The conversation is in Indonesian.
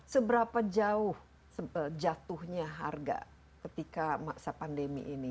seberapa jauh jatuhnya harga ketika masa pandemi ini